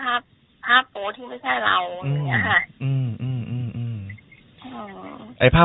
ถั้งภาพโพสต์ที่ไม่ใช่เรา